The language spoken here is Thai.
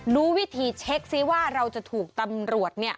รู้วิธีเช็คซิว่าเราจะถูกตำรวจ